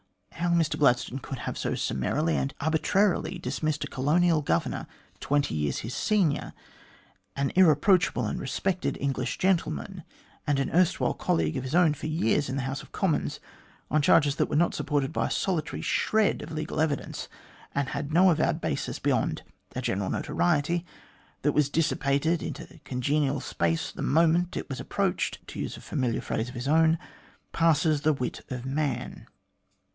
How Mr Gladstone could have ^o summarily and arbitrarily dismissed a Colonial Governor twenty years his senior, an irreproachable and respected English gentleman, and an erstwhile colleague of his own for years in the House of Commons, on charges that were not supported by a solitary shred of legal evidence, and had no avowed basis beyond a "general notoriety" that was dissipated into congenial space the moment it was approached, to use a familiar phrase of his own, passes the wit of man.